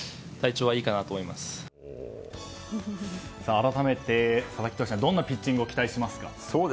改めて佐々木投手にはどんなピッチングを期待しますか。